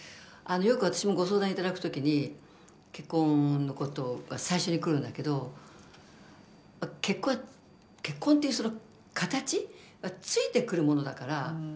あのよく私もご相談頂く時に結婚のことが最初にくるんだけど結婚っていうその形はついてくるものだから。